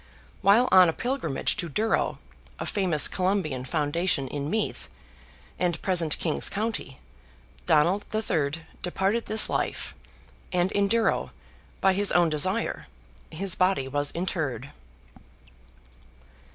While on a pilgrimage to Durrow, a famous Columbian foundation in Meath, and present King's County, Donald III. departed this life, and in Durrow, by his own desire, his body was interred.